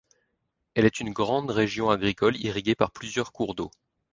Elle est une grande région agricole irriguée par plusieurs cours d'eau.